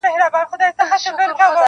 • د لستوڼي مار -